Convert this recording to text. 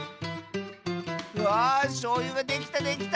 わあしょうゆができたできた！